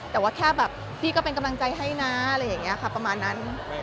แต่ว่าแค่ที่ก็เป็นกำลังใจให้ประมาณนั้น